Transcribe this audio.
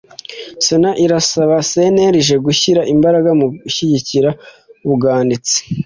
sena irasaba cnlg gushyira imbaraga mu gushyigikira ubwanditsi